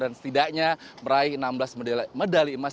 dan setidaknya meraih enam belas medali emas